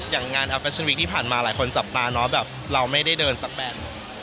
อย่างงานอัฟชั่นวิกที่ผ่านมาหลายคนจับตาเนาะแบบเราไม่ได้เดินสักแบน